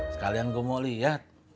sekalian gue mau liat